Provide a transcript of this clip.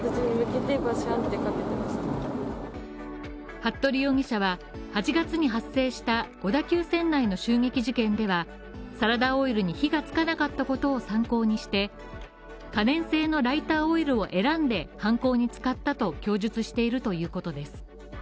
服部容疑者は、８月に発生した小田急線内の襲撃事件では、サラダオイルに火がつかなかったことを参考にして、可燃性のライターオイルを選んで犯行に使ったと供述しているということです。